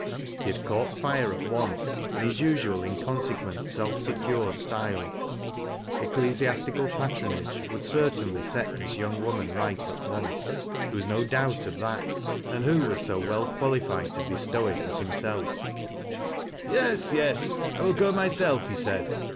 He had cauglit fire at once, in his usual inconsequent, aolf secure style. Ecclesiastical patronage would certainlj set this young woman right at once. There was no doubt of that. And who was so weL qualified to bestow it at himself J THE REVEREND HAROLD BARHOLM. 97 ' Yes, yes ! I will go mj'self," he said.